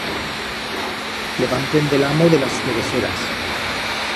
Le va emprender l'amo de las cereseras.